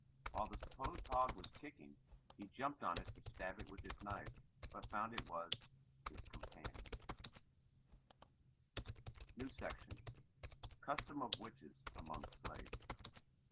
While the supposed hog was kicking, he jumped upon it to stab it with his knife but found it was his companion. CUSTOM OF WITCHES AMONG SLAVES.